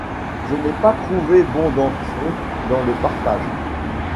Je n'ai pas trouvé bon d'entrer dans le partage